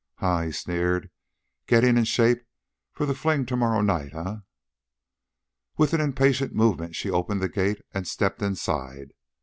"Huh!" he sneered. "Gettin' in shape for the fling to morrow night, eh?" With an impatient movement she opened the gate and stepped inside.